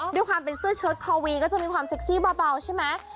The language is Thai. ด้วยความเป็นเสื้อเชิดคอวีก็จะมีความเซ็กซี่เบาใช่ไหม